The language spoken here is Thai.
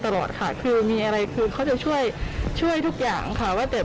ตลอดค่ะคือมีอะไรคือเขาจะช่วยช่วยทุกอย่างค่ะว่าแต่